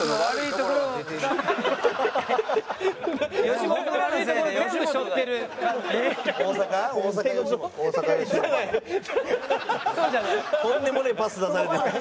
とんでもねえパス出されてる。